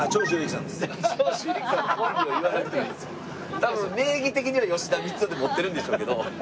多分名義的には吉田光雄で持ってるんでしょうけど。